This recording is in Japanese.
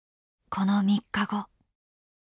この３日後。